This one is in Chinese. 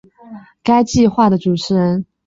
该计画的主持人是华沙大学的。